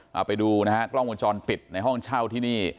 เอาไปดูนะฮะกล้องวงจรปิดในห้องเช่าที่นี่